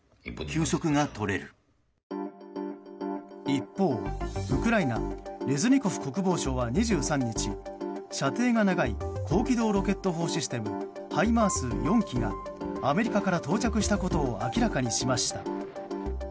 一方、ウクライナレズニコフ国防相は２３日射程が長い高機動ロケット砲システムハイマース４基がアメリカから到着したことを明らかにしました。